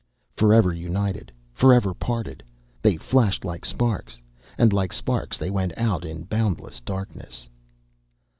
Forever united, forever parted, they flashed like sparks, and like sparks went out in boundless darkness.